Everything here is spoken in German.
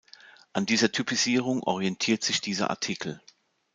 An dieser Typisierung orientiert sich dieser Artikel.